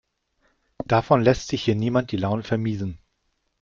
Davon lässt sich hier niemand die Laune vermiesen.